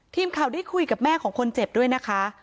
ทีมข่าวได้คุยกับแม่ของคนเจ็บด้วยนะคะ